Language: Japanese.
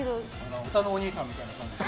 うたのおにいさんみたいな感じで。